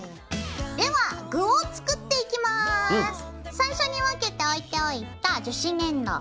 最初に分けて置いておいた樹脂粘土